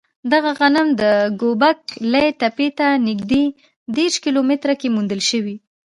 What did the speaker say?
دغه غنم د ګوبک لي تپې ته نږدې دېرش کیلو متره کې موندل شوی.